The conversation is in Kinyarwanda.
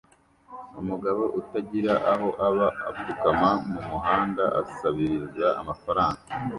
Umugabo utagira aho aba apfukama mumuhanda asabiriza amafaranga